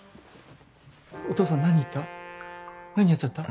お父さん何言った？